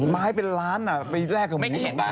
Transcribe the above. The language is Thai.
ไม้เป็นร้านอะไปให้ลืม